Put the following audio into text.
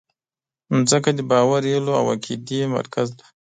مځکه د باور، هیلو او عقیدې مرکز ده.